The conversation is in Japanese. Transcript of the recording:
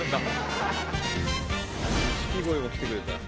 錦鯉も来てくれた。